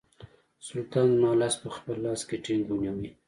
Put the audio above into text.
سلطان زما لاس په خپل لاس کې ټینګ ونیوی.